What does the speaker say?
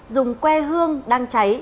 dùng que hương đang cháy